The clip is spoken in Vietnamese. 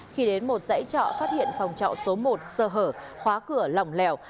khi đến một dãy trọ phát hiện phòng trọ số một sơ hở khóa cửa lỏng lèo